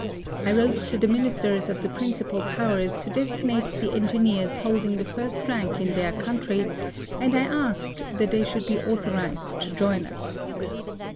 I wrote to the Ministers of the principal Powers to designate the engineers holding the first rank in their country ; and I asked that they should be authorised to join us.